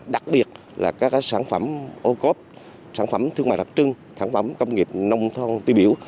đặc biệt là các sản phẩm ô cốp sản phẩm thương mại đặc trưng sản phẩm công nghiệp nông thôn tiêu biểu